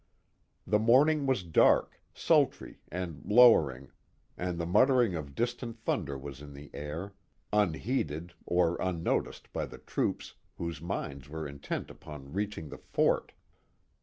The morning was dark, sultry, and lowering, and the mutter ing of distant thunder was in the air, unheeded or unnoticnJ by the troops whose minds were intent upon reaching the fort.